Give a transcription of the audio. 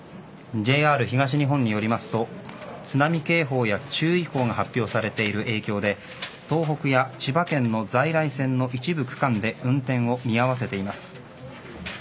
ＪＲ東日本によりますと津波警報や注意報が発表されている影響で東北や千葉県の在来線の一部区間で運転を見合わせています。